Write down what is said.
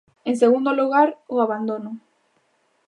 En segundo lugar, o abandono.